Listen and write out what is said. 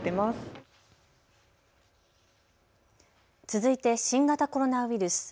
続いて新型コロナウイルス。